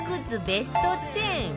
ベスト１０